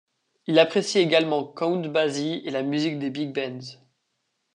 Il apprécie également Count Basie et la musique des big bands.